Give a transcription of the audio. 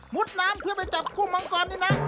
มุดน้ำเพื่อไปจับคู่มองกรนี่นะ